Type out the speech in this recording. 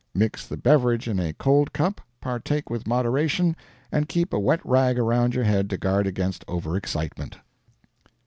Mix the beverage in a cold cup, partake with moderation, and keep a wet rag around your head to guard against over excitement.